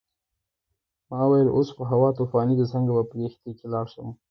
ما وویل اوس خو هوا طوفاني ده څنګه به په کښتۍ کې لاړ شم.